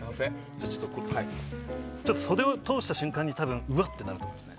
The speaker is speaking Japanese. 袖を通した瞬間にうわってなると思います。